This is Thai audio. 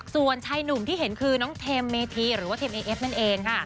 ส่วนชายหนุ่มที่เห็นคือน้องเทมเมธีหรือว่าเทมเอเอฟนั่นเองค่ะ